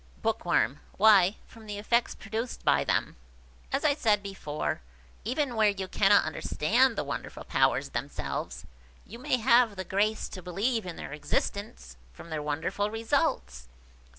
Bookworm. "Why, from the effects produced by them. As I said before, even where you cannot understand the wonderful powers themselves, you may have the grace to believe in their existence, from their wonderful results."